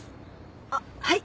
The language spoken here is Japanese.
あっはい！